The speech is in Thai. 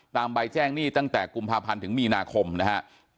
ใบแจ้งหนี้ตั้งแต่กุมภาพันธ์ถึงมีนาคมนะฮะ